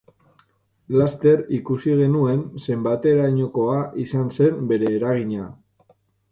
Laster ikusi genuen zenbaterainokoa izan zen bere eragina